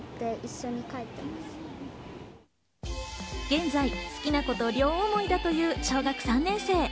現在、好きな子と両想いだという小学３年生。